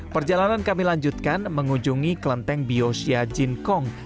perjalanan kami lanjutkan mengunjungi kelenteng biosya jinkong